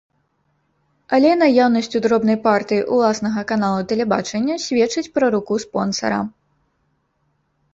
Але наяўнасць у дробнай партыі ўласнага каналу тэлебачання сведчыць пра руку спонсара.